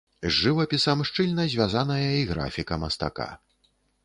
З жывапісам шчыльна звязаная і графіка мастака.